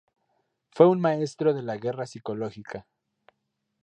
Fue un maestro de la guerra psicológica.